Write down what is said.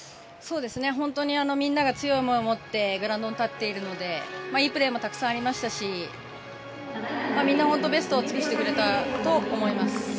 本当にみんなが強い思いを持ってグラウンドに立っているのでいいプレーもたくさんありましたしみんな、本当にベストを尽くしてくれたと思います。